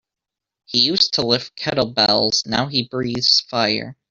He used to lift kettlebells now he breathes fire.